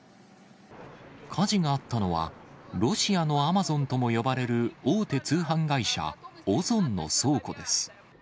火事があったのは、ロシアのアマゾンとも呼ばれる大手通販会社、オゾンの倉庫です。